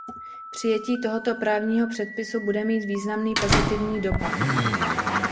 Přijetí tohoto právního předpisu bude mít významný pozitivní dopad.